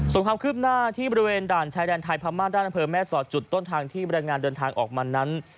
ส่วนความคืบหน้าที่บริเวณด่านชายแดนไทยพม่าด้านอำเภอแม่สอดจุดต้นทางที่บรรยายงานเดินทางออกมานั้น